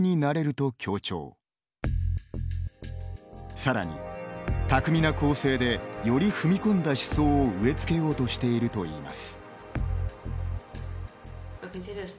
更に巧みな構成でより踏み込んだ思想を植え付けようとしているといいます。